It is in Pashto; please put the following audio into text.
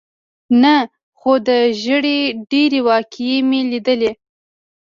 نه، خو د ژېړي ډېرې واقعې مې لیدلې.